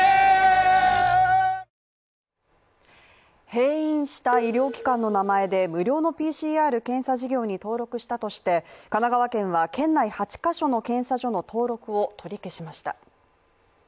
閉院した医療機関の名前で無料のＰＣＲ検査事業に登録したとして神奈川県は県内８カ所の検査所の登録を取り消しました。